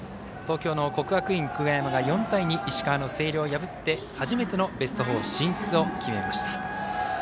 東京の国学院久我山が４対２石川の星稜を破って初めてのベスト４を決めました。